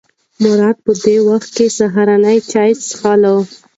مراد په دې وخت کې سهارنۍ چای څښله.